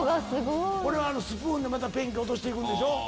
これはスプーンでまたペンキ落として行くんでしょ。